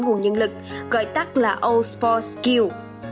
nguồn nhân lực gọi tắt là all bốn skill